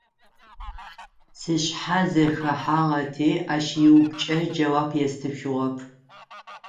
Сшъхьэ зэхэхьагъэти ащ иупчӀэ джэуап естышъугъэп.